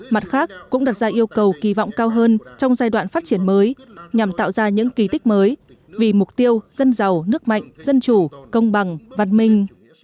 mặt khác cũng đặt ra yêu cầu kỳ vọng cao hơn trong giai đoạn phát triển mới nhằm tạo ra những kỳ tích mới vì mục tiêu dân giàu nước mạnh dân chủ công bằng văn minh